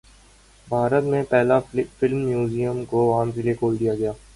بھارت میں پہلے film museum کو عوام کے لیے کھول دیا گیا